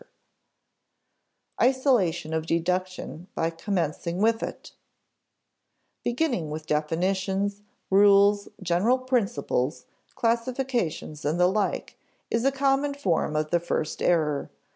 [Sidenote: Isolation of deduction by commencing with it] (iii) Beginning with definitions, rules, general principles, classifications, and the like, is a common form of the first error.